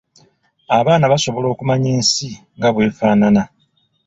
Abaana basobola okumanya ensi nga bw'efaanana.